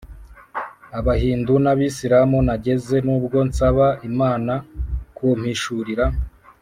Abahindu n abisilamu nageze nubwo nsaba imana kumpishurira